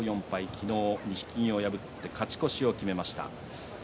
昨日、錦木を破って勝ち越しを決めました。